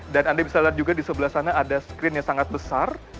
dan anda bisa lihat juga di sebelah sana ada screen yang sangat besar